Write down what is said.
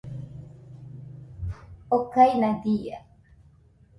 okaina dia